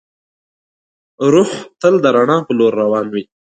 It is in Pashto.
روح تل د رڼا په لور روان وي.